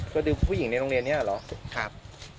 ก็ดึงผู้หญิงในโรงเรียนนี้เหรอครับ